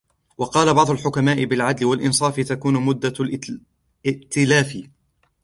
وَقَالَ بَعْضُ الْحُكَمَاءِ بِالْعَدْلِ وَالْإِنْصَافِ تَكُونُ مُدَّةُ الِائْتِلَافِ